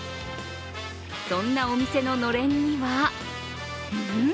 そんなお店ののれんにはん？